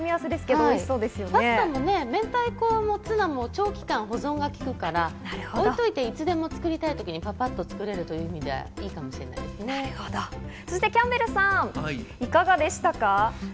パスタも明太子もツナも長期間の保存がきくから、おいといていつでも作りたいときにパパっと作れるという意味でいキャンベルさんいかがでしたか？